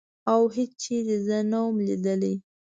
او هېڅ چېرې زه نه وم لیدلې.